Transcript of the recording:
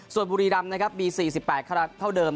ส่วนบุริรัมณ์นะครับมี๔๘ขนาดเท่าเดิม